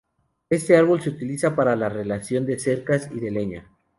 Este árbol se utiliza para la realización de cercas y de leña.